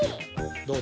どう？